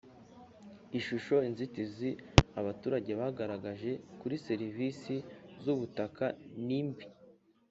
ishusho inzitizi abaturage bagaragaje kuri serivisi z ubutaka n imbi